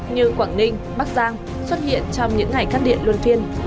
như quảng ninh bắc giang xuất hiện trong những ngày cắt điện luân phiên